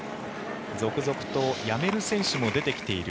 続々とやめる選手も出てきている